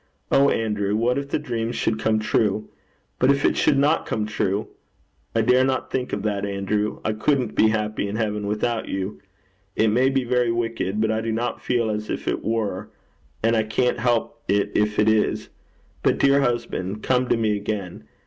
Oh, Andrew, what if the dream should come true! But if it should not come true! I dare not think of that, Andrew. I couldn't be happy in heaven without you. It may be very wicked, but I do not feel as if it were, and I can't help it if it is. But, dear husband, come to me again.